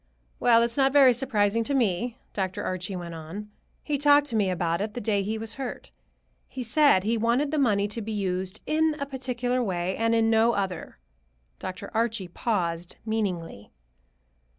"Well, it's not very surprising to me," Dr. Archie went on. "He talked to me about it the day he was hurt. He said he wanted the money to be used in a particular way, and in no other." Dr. Archie paused meaningly.